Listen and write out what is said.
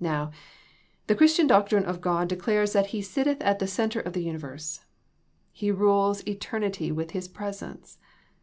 Now, the Christian doctrine of God declares that He sitteth at the centre of the uni verse. He rules eternity with His presence.